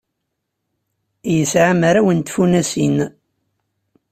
Yesɛa mraw n tfunasin.